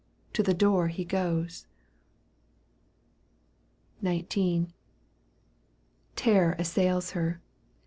To the door he goes. XIX. Terror assails her.